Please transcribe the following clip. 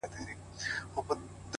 نن هغه ماشه د ورور پر لور كشېږي!.